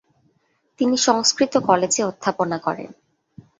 তিনি সংস্কৃত কলেজে অধ্যাপনা করেন।